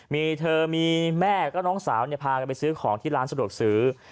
มีเธอมีแม่ก็น้องสาวพากันไปซื้อของที่ร้านสะดวกซื้อ